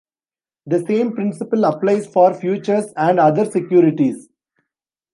The same principle applies for futures and other securities.